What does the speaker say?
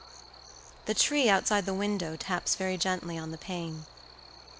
The tree outside the window taps very gently on the pane.